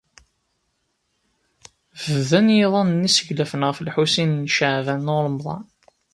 Bdan yiḍan-nni sseglafen ɣef Lḥusin n Caɛban u Ṛemḍan.